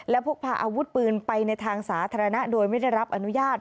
และพกพาอาวุธปืนไปในทางสาธารณะโดยไม่ได้รับอนุญาต